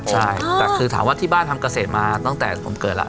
ใช่แต่คือถามว่าที่บ้านทำเกษตรมาตั้งแต่ผมเกิดแล้ว